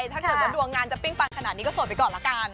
ถ้าเกิดว่าดวงงานจะปิ้งปังขนาดนี้ก็โสดไปก่อนละกัน